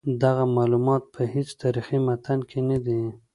دغه معلومات په هیڅ تاریخي متن کې نه دي.